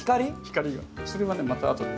それはねまた後で。